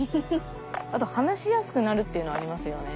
あと話しやすくなるっていうのはありますよね。